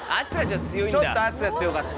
ちょっと圧が強かった。